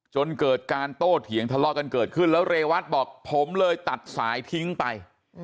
จนเกิดการโต้เถียงทะเลาะกันเกิดขึ้นแล้วเรวัตบอกผมเลยตัดสายทิ้งไป